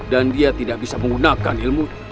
dan dia tidak bisa menggunakan ilmu